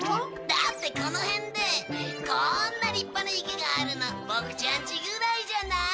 だってこの辺でこーんな立派な池があるのボクちゃんちぐらいじゃない？